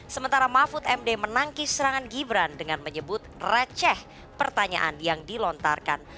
sementara mahfud md menangkis serangan gibran dengan menyebut receh pertanyaan yang dilontarkan